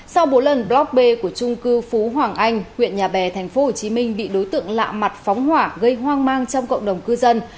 sau bốn lần blockbe của trung cư phú hoàng anh huyện nhà bè tp hcm bị đối tượng lạ mặt phóng hỏa gây hoang mang trong cộng đồng cư dân